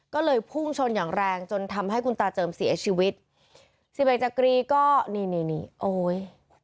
ก็เลยพุ่งชนอย่างแรงจนทำให้คุณตาเจิมเสียชีวิตสิบเอกจักรีก็นี่นี่นี่โอ้ย